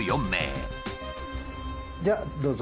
じゃあどうぞ。